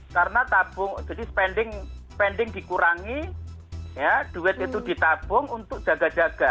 karena tabung jadi spending dikurangi duit itu ditabung untuk jaga jaga